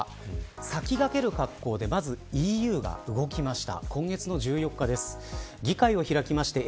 先駆ける格好でまず、ＥＵが動きました。